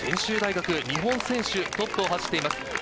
専修大学、日本選手トップを走っています。